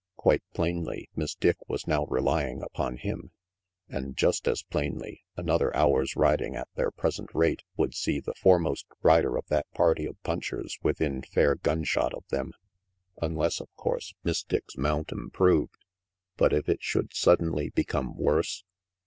Quite plainly, Miss Dick was now relying upon him; and just as plainly, another hour's riding at their present rate would see the foremost rider of that party of punchers within fair gunshot of them unless, of RANGY PETE 139 course, Miss Dick's mount improved; but if it should suddenly become worse